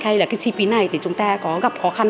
hay là cái chi phí này thì chúng ta có gặp khó khăn